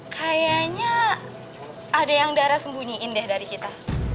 kayaknya ada yang darah sembunyiin deh dari kita